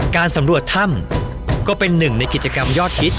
การสำรวจถ้ำก็เป็นหนึ่งในกิจกรรมยอดฮิต